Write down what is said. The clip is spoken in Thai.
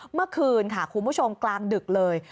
เมื่อคืนค่ะคุณผู้ชมกลางดึกเลย